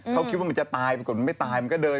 เขาคิดว่ามันจะตายปรากฏมันไม่ตายมันก็เดิน